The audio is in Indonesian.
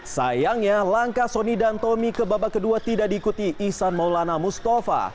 sayangnya langkah sony dan tommy ke babak kedua tidak diikuti ihsan maulana mustafa